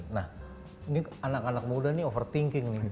nah ini anak anak muda nih overthinking nih